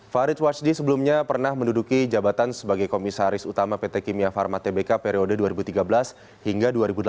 farid washidi sebelumnya pernah menduduki jabatan sebagai komisaris utama pt kimia pharma tbk periode dua ribu tiga belas hingga dua ribu delapan belas